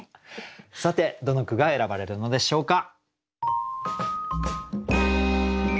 さてどの句が選ばれるのでしょうか。